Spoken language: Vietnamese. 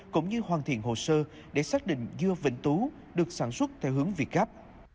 cũng như hoàn thiện hồ sơ để xác định dưa vĩnh tú được sản xuất theo hướng vịt gắp